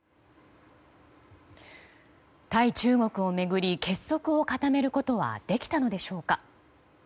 対中国を巡り結束を固めることはできたのでしょうか。